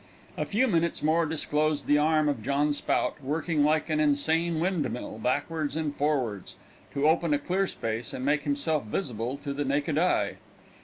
A few minutes more disclosed the arm of John Spout, working like an insane windmill, backwards and forwards, to open a clear space, and make himself visible to the naked eye.